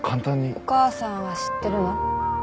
お母さんは知ってるの？